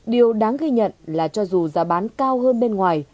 điều đáng ghi nhận là cho dù giá bán cao hơn bên ngoài